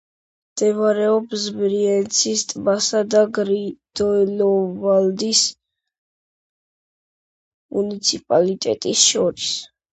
მდებარეობს ბრიენცის ტბასა და გრინდელვალდის მუნიციპალიტეტს შორის.